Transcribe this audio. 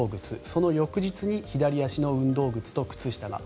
その翌日に左足の運動靴と靴下が。